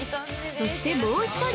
◆そしてもう１人！